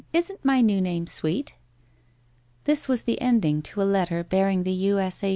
Isn't my new name sweet ?' This was the ending to a letter bearing the U. S. A.